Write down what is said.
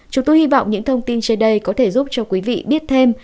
chúng tôi hy vọng những thông tin trên đây có thể giúp cho quý vị biết thêm